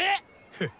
フッ。